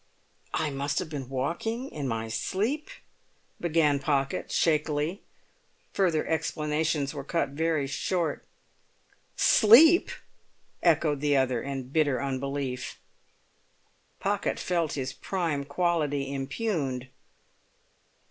"I must have been walking in my sleep," began Pocket, shakily; further explanations were cut very short. "Sleep!" echoed the other, in bitter unbelief. Pocket felt his prime quality impugned.